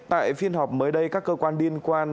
tại phiên họp mới đây các cơ quan liên quan